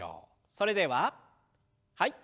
それでははい。